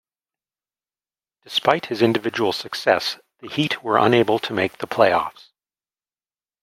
Despite his individual success, the Heat were unable to make the playoffs.